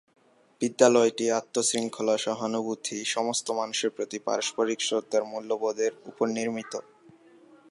বিদ্যালয়টি আত্ম-শৃঙ্খলা, সহানুভূতি, সমস্ত মানুষের প্রতি পারস্পরিক শ্রদ্ধার মূল্যবোধের উপর নির্মিত।